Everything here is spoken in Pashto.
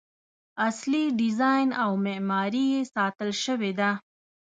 اصلي ډیزاین او معماري یې ساتل شوې ده.